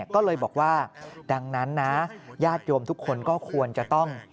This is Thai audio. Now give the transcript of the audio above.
ก็เลยบอกว่าดังนั้นนะญาติโยมทุกคนก็ควรจะต้อง